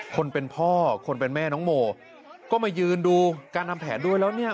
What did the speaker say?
คนเป็นพ่อคนเป็นแม่น้องโมก็มายืนดูการทำแผนด้วยแล้วเนี่ย